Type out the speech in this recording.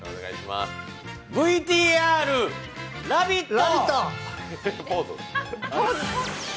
ＶＴＲ「ラヴィット！」！